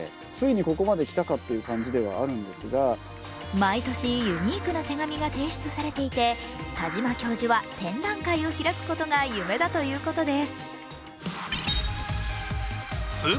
毎年、ユニークな手紙が提出されていて田島教授は展覧会を開くことが夢だということです。